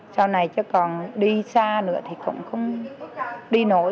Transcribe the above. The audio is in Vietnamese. sau này chứ còn đi xa nữa thì cũng không đi nổi